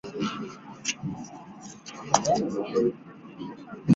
他还当选为蒙古和平与友好组织联合会执委会主席。